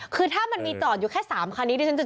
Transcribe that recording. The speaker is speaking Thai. คือถ้ามันมีจอดอยู่แค่๓คันนี้เดี๋ยวฉันจะเชื่อน่ะ